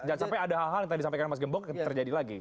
jangan sampai ada hal hal yang tadi disampaikan mas gembong terjadi lagi